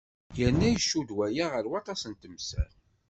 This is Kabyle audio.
Yerna icudd waya ɣer waṭas n temsal.